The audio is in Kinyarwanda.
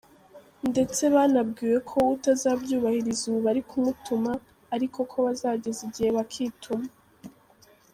Ndetse banabwiwe ko utazabyubahiriza ubu bari kumutuma, ariko ko bazageza igihe bakituma.